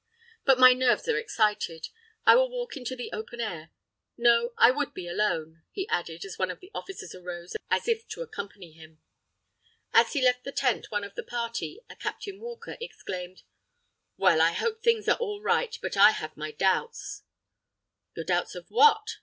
But, my nerves are excited. I will walk into the open air. No! I would be alone!" he added, as one of the officers arose as if to accompany him. As he left the tent one of the party, a Captain Walker, exclaimed: "Well, I hope things are all right, but I have my doubts!" "Your doubts of what?"